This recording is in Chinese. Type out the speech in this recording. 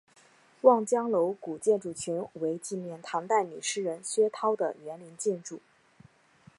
望江楼古建筑群为纪念唐代女诗人薛涛的园林建筑。